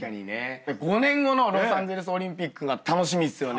５年後のロサンゼルスオリンピックが楽しみっすよね。